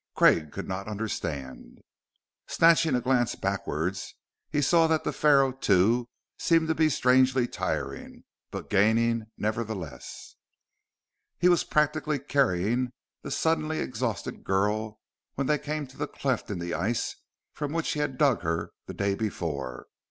Craig could not understand. Snatching a glance backwards, he saw that the Pharaoh, too, seemed to be strangely tiring but gaining nevertheless.... He was practically carrying the suddenly exhausted girl when they came to the cleft in the ice from which he had dug her the day before.